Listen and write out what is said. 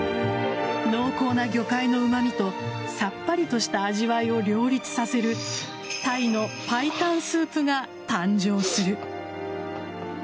濃厚な魚介のうまみとさっぱりとした味わいを両立させるタイの白湯スープが誕生する。